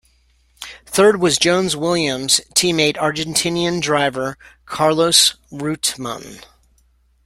Third was Jones' Williams teammate Argentinian driver, Carlos Reutemann.